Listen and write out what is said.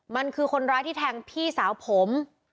มันคือคนร้ายที่แทงพี่สาวผม